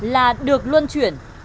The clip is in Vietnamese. là được luân chuyển